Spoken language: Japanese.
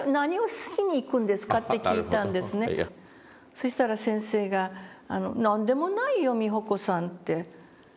そしたら先生が「何でもないよ美穂子さん」って。